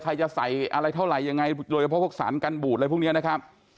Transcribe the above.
ใครจะใส่อะไรเท่าไหร่ยังไงโดยเฉพาะพวกสารกันบูดอะไรพวกนี้นะครับ